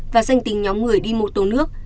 và danh tình nhóm người đi mô tố nước